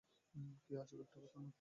কী আজব একটা ঘটনা!